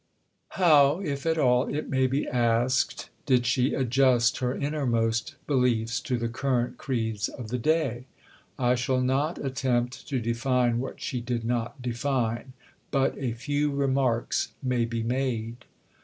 V How, if at all, it may be asked, did she adjust her innermost beliefs to the current creeds of the day? I shall not attempt to define what she did not define; but a few remarks may be made.